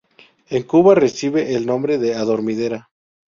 En Cuba reciben el nombre de adormidera.